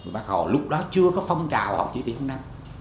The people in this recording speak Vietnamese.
bác hồ lúc đó chưa có phong trào học chỉ tiết một năm